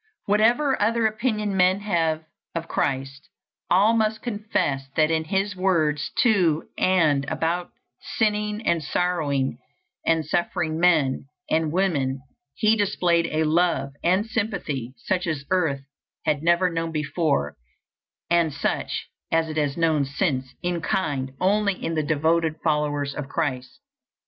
Whatever other opinion men may have of Christ, all must confess that in his words to and about sinning and sorrowing and suffering men and women, he displayed a love and sympathy such as earth had never known before, and such as it has known since, in kind, only in the devoted followers of Christ.